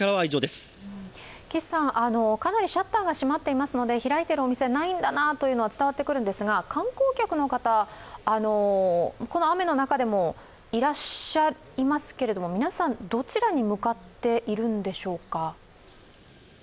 岸さん、かなりシャッターが閉まっていますので開いているお店ないんだなというのは伝わってくるんですが、観光客の方、この雨の中でもいらっしゃいますけども、皆さん、どちらに向かっているんでしょうか？